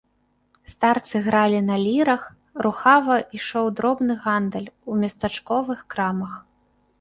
Старцы гралі на лірах, рухава ішоў дробны гандаль у местачковых крамах.